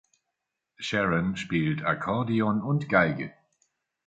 Sharon spielt Akkordeon und Geige.